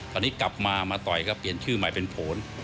ตอนนี้กลับมามาต่อยก็เปลี่ยนชื่อใหม่เป็นผล